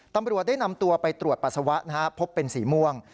ตำรวจได้นำตัวไปตรวจปัสสาวะพบเป็นสีม่วง